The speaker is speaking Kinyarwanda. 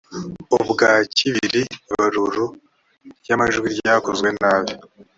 ubwa kibiri ibarurua ry’amajwi ryakozwe nabi